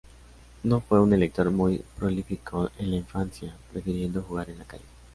No fue un lector muy prolífico en la infancia, prefiriendo jugar en la calle.